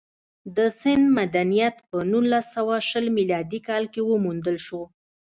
د سند مدنیت په نولس سوه شل میلادي کال کې وموندل شو